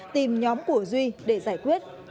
tìm nhóm của duy để giải quyết